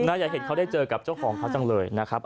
อยากเห็นเขาได้เจอกับเจ้าของเขาจังเลยนะครับ